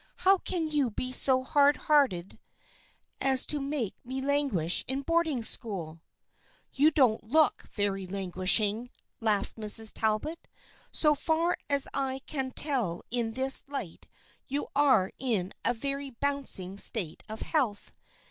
How can you be so hard hearted as to make me languish in boarding school ?"" You don't look very languishing," laughed Mrs. Talbot. " So far as I can tell in this light you are in a very bouncing state of health.